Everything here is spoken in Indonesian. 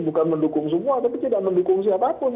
bukan mendukung semua tapi tidak mendukung siapapun